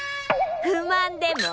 不満でも？